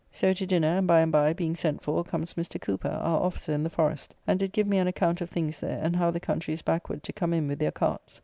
So to dinner and by and by, being sent for, comes Mr. Cooper, our officer in the Forest, and did give me an account of things there, and how the country is backward to come in with their carts.